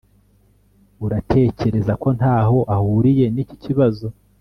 uratekereza ko ntaho ahuriye niki kibazo